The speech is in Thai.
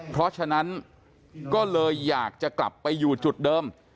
เพราะฉะนั้นก็เลยอยากจะกลับไปอยู่จุดเดิม